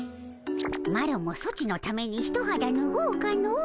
マロもソチのためにひとはだぬごうかの。